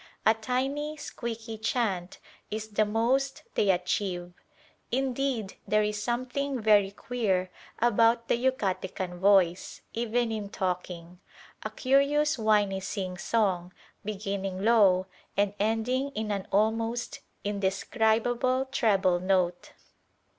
A tiny, squeaky chant is the most they achieve. Indeed there is something very queer about the Yucatecan voice, even in talking: a curious whiny sing song, beginning low and ending in an almost indescribable treble note.